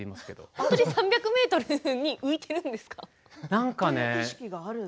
本当に３００ｍ上に浮いているんですか？